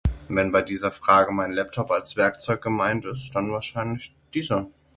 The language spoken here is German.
Wenn bei dieser Frage mein Laptop als Werkzeug gemeint ist, dann wahrscheinlich dieser.